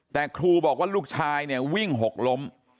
แต่ครูบอกว่าลูกชายเนี่ยวิ่งหกล้ม